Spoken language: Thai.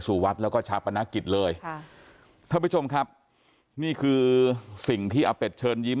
วัดแล้วก็ชาปนกิจเลยค่ะท่านผู้ชมครับนี่คือสิ่งที่อาเป็ดเชิญยิ้ม